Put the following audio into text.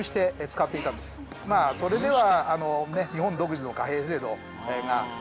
それでは。